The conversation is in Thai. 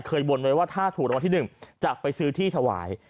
บนไว้ว่าถ้าถูกรางวัลที่๑จะไปซื้อที่ถวาย